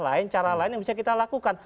lain cara lain yang bisa kita lakukan